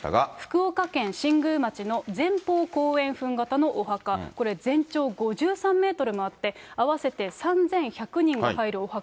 福岡県新宮町の前方後円墳形のお墓、これ、全長５３メートルもあって、合わせて３１００人が入るお墓。